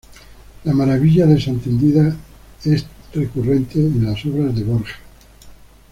La maravilla desatendida es tema recurrente en la obra de Borges.